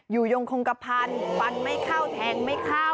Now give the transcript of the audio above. ยงคงกระพันธ์ฟันไม่เข้าแทงไม่เข้า